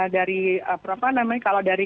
dari apa namanya kalau dari